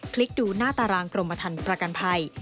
ลิกดูหน้าตารางกรมทันประกันภัย